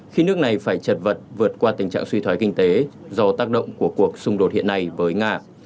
khi nước này phải chật vật vượt qua tình trạng suy thoái kinh tế do tác động của cuộc xung đột hiện nay với nga